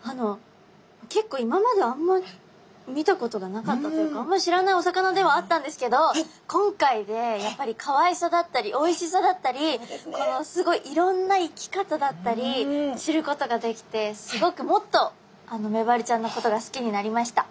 結構今まであんま見たことがなかったというかあんまり知らないお魚ではあったんですけど今回でやっぱりかわいさだったりおいしさだったりすごいいろんな生き方だったり知ることができてすごくもっとメバルちゃんのことが好きになりました。